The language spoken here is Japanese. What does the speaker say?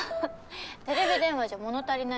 テレビ電話じゃ物足りないよ。